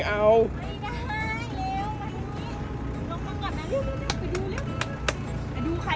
หันบอตรงได้